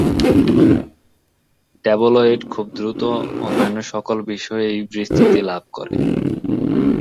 Tabloid খুব দ্রুত অন্যান্য সকল বিষয়েও বিস্তৃতি লাভ করে।